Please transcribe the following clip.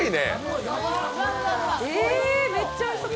めっちゃおいしそう。